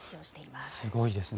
すごいですね。